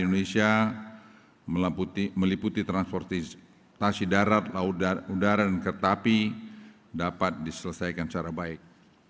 indonesia meliputi transportasi darat laut udara dan kereta api dapat diselesaikan secara baik